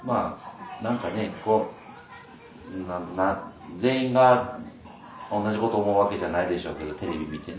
こう全員が同じこと思うわけじゃないでしょうけどテレビ見てね。